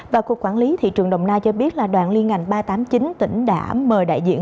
và cục quản lý thị trường đồng nai cho biết là đoàn liên ngành ba trăm tám mươi chín tỉnh đã mời đại diện